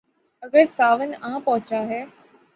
اگر ساون آن پہنچا ہے۔